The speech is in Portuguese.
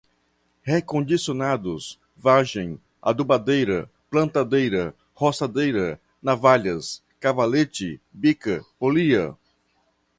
recondicionados, vagem, adubadeira, plantadeira, roçadeira, navalhas, cavalete, bica, polia